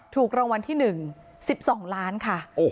ถูกรางวัลที่๑๑๒ล้านค่ะ